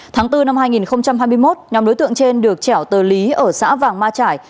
tháng bốn năm hai nghìn hai mươi một nhóm đối tượng trên được chẻo tờ lý ở xã vàng ma trải